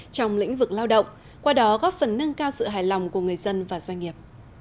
trong lĩnh vực lao động qua đó góp phần nâng cao sự hài lòng của người dân và doanh nghiệp